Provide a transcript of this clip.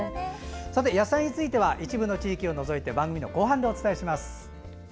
野菜については一部の地域を除いて番組の後半でお伝えします。